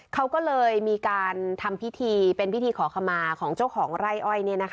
เขาก็เลยมีการทำพิธีเป็นพิธีขอขมาของเจ้าของไร่อ้อย